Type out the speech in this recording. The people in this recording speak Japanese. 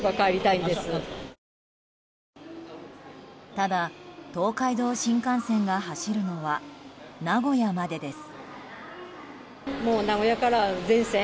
ただ、東海道新幹線が走るのは名古屋までです。